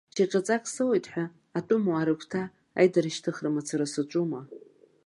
Ча ҿаҵак соуеит ҳәа, атәымуаа рыгәҭа, аидарашьҭыхра мацара саҿума?